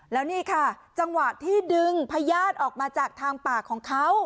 แล้วนี่ค่ะจังหวะที่ดึงพญาติออกมาจากทางป่าของเขา